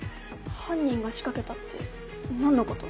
犯人が仕掛けたって何のこと？